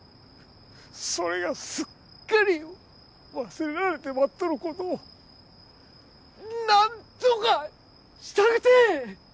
それがすっかり忘れられてまっとることを何とかしたくて！